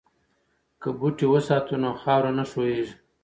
که بوټي وساتو نو خاوره نه ښویېږي.